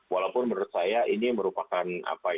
walaupun menurut saya ini merupakan